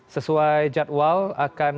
sesuai jadwal akan dikumpulkan